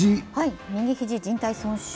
右肘じん帯損傷。